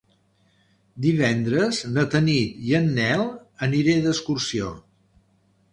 Divendres na Tanit i en Nel aniré d'excursió.